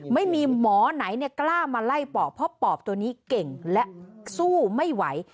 ไม่มีหมอไหนกล้ามาไล่ปอบเพราะปอบตัวนี้เก่งและสู้ไม่ไหว